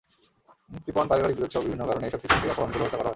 মুক্তিপণ, পারিবারিক বিরোধসহ বিভিন্ন কারণে এসব শিশুকে অপহরণ করে হত্যা করা হয়।